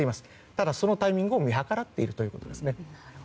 ただ、そのタイミングを見計らっているということです。